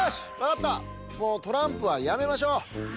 もうトランプはやめましょう！